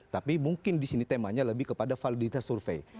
tapi mungkin di sini temanya lebih kepada validitas survei